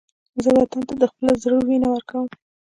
زه وطن ته د خپل زړه وینه ورکوم